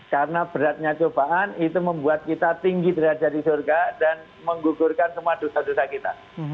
karena beratnya cobaan itu membuat kita tinggi derajat di surga dan menggugurkan semua dosa dosa kita